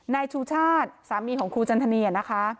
นายชูชาติสามีของครูจันทนีนะคะ